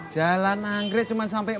jalan anggrek cuma sampai